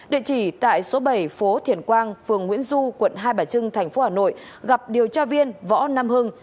địa chỉ tại số bảy phố thiền quang phường nguyễn du quận hai bà trưng tp hà nội gặp điều tra viên võ nam hưng